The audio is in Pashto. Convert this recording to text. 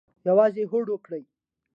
یوازې هوډ وکړئ